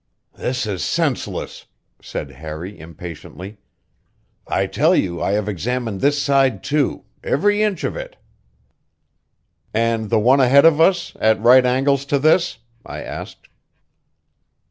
"This is senseless," said Harry impatiently. "I tell you I have examined this side, too; every inch of it." "And the one ahead of us, at right angles to this?" I asked.